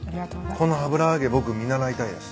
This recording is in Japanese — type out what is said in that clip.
この油揚げ僕見習いたいです。